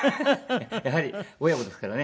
やはり親子ですからね。